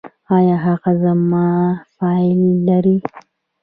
ایا هغه زما فایل لري؟